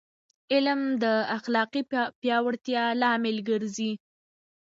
علم د اخلاقي پیاوړتیا لامل ګرځي.